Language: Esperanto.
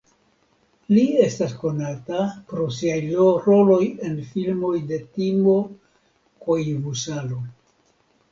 Li estas konata pro siaj roloj en filmoj de Timo Koivusalo.